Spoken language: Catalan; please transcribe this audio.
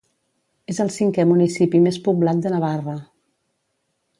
És el cinquè municipi més poblat de Navarra.